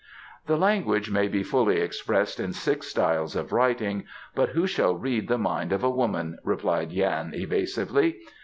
"The language may be fully expressed in six styles of writing, but who shall read the mind of a woman?" replied Yan evasively.